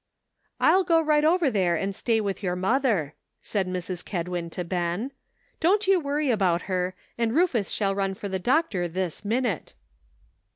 " I'll go right over there and stay with your mother," said Mrs. Kedwin to Ben. "Don't you worry about her, and Rufus shall run for tlie doctor this minute."